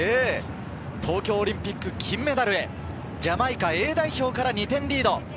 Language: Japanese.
東京オリンピック金メダルへ、ジャマイカＡ代表から２点リード。